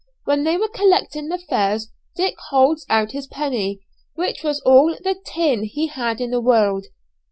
When they were collecting the fares Dick holds out his penny, which was all the 'tin' he had in the world.